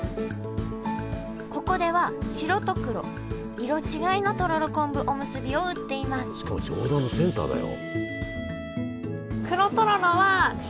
ここでは白と黒色違いのとろろ昆布おむすびを売っていますしかも上段のセンターだよ。